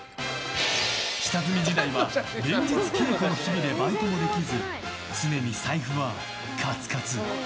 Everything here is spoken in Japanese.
下積み時代は連日、稽古の日々でバイトもできず常に財布はカツカツ。